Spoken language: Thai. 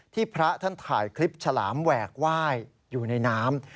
พระท่านถ่ายคลิปฉลามแหวกไหว้อยู่ในน้ำ